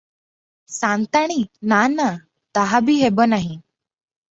ସା’ନ୍ତାଣୀ – ନା – ନା, ତାହା ବି ହେବ ନାହିଁ ।